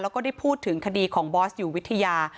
แล้วก็ได้พูดถึงคดีของบอสอยู่วิทยา